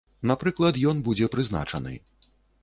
Напрыклад, ён будзе прызначаны.